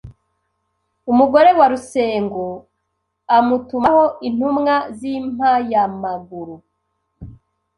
Umugore wa Rusengo amutumaho intumwa z’impayamaguru